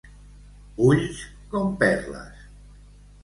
Ulls com perles.